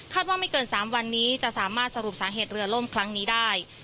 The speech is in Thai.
ว่าไม่เกิน๓วันนี้จะสามารถสรุปสาเหตุเรือล่มครั้งนี้ได้